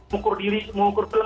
mukur diri mukur film